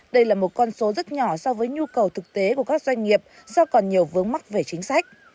đây là một con số rất nhỏ so với nhu cầu thực tế của các doanh nghiệp do còn nhiều vướng mắc về chính sách